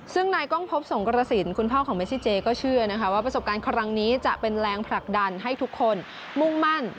ซึ่งนายกล้องพบสงกรสินคุณพ่อของเมซิเจก็เชื่อนะคะว่าประสบการณ์ครั้งนี้จะเป็นแรงผลักดันให้ทุกคนมุ่งมั่น